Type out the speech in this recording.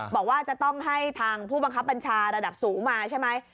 บอกว่าจะต้องให้ทางผู้บังคับบัญชาระดับสูงมาใช่ไหม